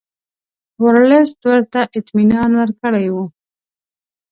ورلسټ ورته اطمینان ورکړی وو.